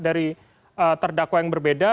dari terdakwah yang berbeda